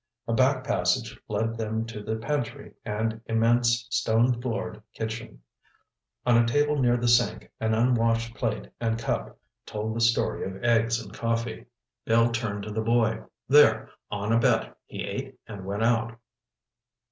A back passage led them to the pantry and immense, stone floored kitchen. On a table near the sink, an unwashed plate and cup told the story of eggs and coffee. Bill turned to the boy. "There! On a bet, he ate and went out."